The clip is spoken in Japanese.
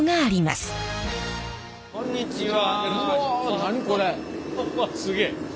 すげえ。